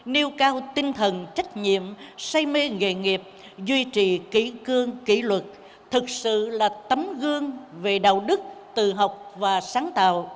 nêu cao tinh thần trách nhiệm say mê nghề nghiệp duy trì kỹ cương kỷ luật thực sự là tấm gương về đạo đức tự học và sáng tạo